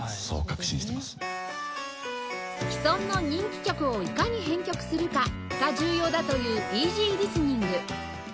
既存の人気曲をいかに編曲するかが重要だというイージーリスニング